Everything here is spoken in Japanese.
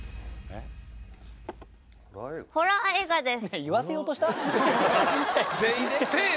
ホラー映画です。